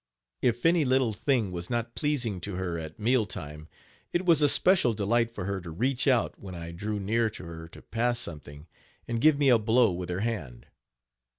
If any little thing was not pleasing to her at meal time, it was a special delight for her to reach out, when I drew near to her to pass something, and give me a blow with her hand.